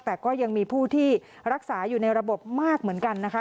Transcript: แต่ก็ยังมีผู้ที่รักษาอยู่ในระบบมากเหมือนกันนะคะ